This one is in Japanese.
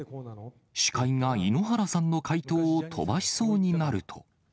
司会が井ノ原さんの回答を飛ばしそうになると。